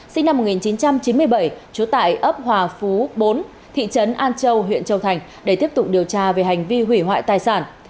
sinh năm một nghìn chín trăm chín mươi bảy trú tại ấp hòa phú bốn thị trấn an châu huyện châu thành để tiếp tục điều tra về hành vi hủy hoại tài sản